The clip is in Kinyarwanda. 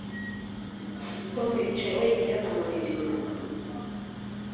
Tom yicaye wenyine ku buriri